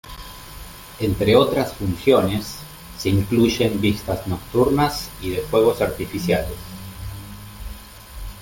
Entre otras funciones, se incluyen vistas nocturnas y de fuegos artificiales.